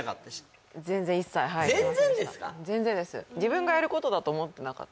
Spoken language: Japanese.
全然です